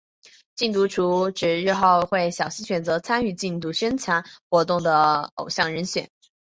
禁毒处指日后会小心选择参与禁毒宣传活动的偶像人选。